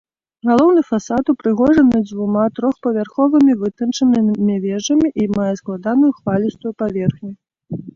Галоўны фасад упрыгожаны дзвюма трохпавярховымі вытанчанымі вежамі і мае складаную хвалістую паверхню.